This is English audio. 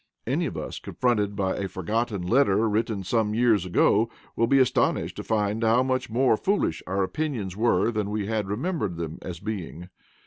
Any of us confronted by a forgotten letter written some years ago will be astonished to find how much more foolish our opinions were than we had remembered them as being.